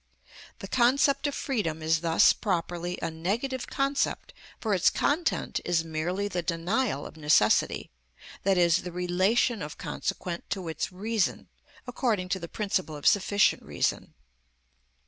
The concept of freedom is thus properly a negative concept, for its content is merely the denial of necessity, i.e., the relation of consequent to its reason, according to the principle of sufficient reason.